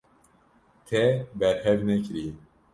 Te berhev nekiriye.